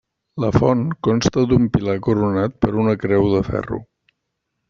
La font consta d'un pilar coronat per una creu de ferro.